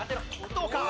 どうか？